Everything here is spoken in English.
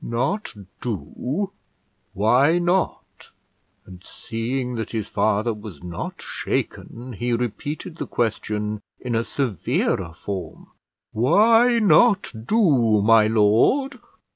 "Not do, why not?" and seeing that his father was not shaken, he repeated the question in a severer form: "Why not do, my lord?"